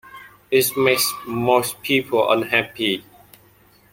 It makes most people unhappy.